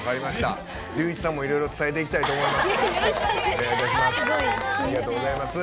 隆一さんもいろいろ伝えていきたいと思います。